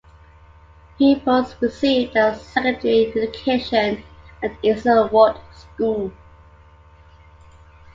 Pupils receive their secondary education at Easingwold School.